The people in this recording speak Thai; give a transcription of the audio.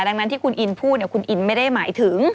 ดังนั้นที่คุณอินพูดคุณอินไม่ได้หมายถึง